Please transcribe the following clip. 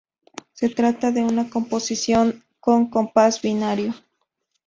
Se trata de una composición con compás binario.